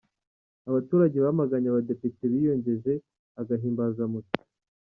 Abaturage bamaganye abadepite biyongeje agahimbazamusyi